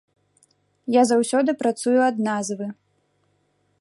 Я заўсёды працую ад назвы.